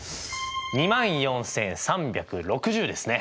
２万４，３６０ですね。